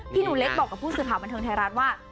หนูเล็กบอกกับผู้สื่อข่าวบันเทิงไทยรัฐว่า